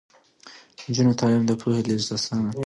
د نجونو تعلیم د پوهې لیږد اسانه کوي.